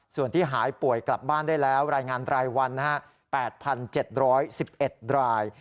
ส่วนที่หายป่วยกลับบ้านได้แล้วรายงานรายวัน๘๗๑๑ราย